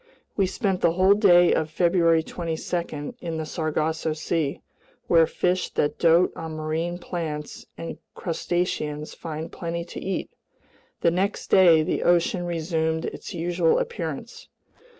We spent the whole day of February 22 in the Sargasso Sea, where fish that dote on marine plants and crustaceans find plenty to eat. The next day the ocean resumed its usual appearance.